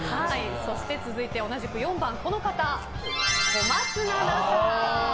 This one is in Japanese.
そして続いて同じく４番小松菜奈さん。